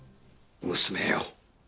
娘よ。